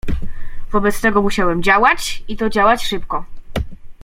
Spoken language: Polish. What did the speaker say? "Wobec tego musiałem działać i to działać szybko."